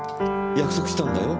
約束したんだよ